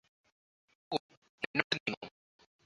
പോകു മുന്നോട്ടു നീങ്ങു